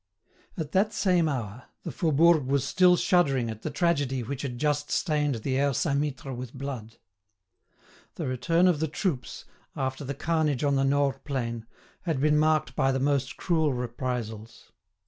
At that same hour, the Faubourg was still shuddering at the tragedy which had just stained the Aire Saint Mittre with blood. The return of the troops, after the carnage on the Nores plain, had been marked by the most cruel reprisals.